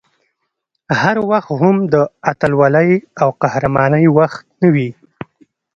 هر وخت هم د اتلولۍ او قهرمانۍ وخت نه وي